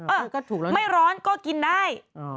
เออไม่ร้อนก็กินได้